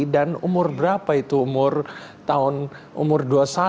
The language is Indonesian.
dan umur berapa itu umur tahun umur dua puluh satu